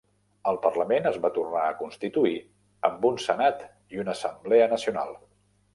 El Parlament es va tornar a constituir amb un Senat i una Assemblea Nacional.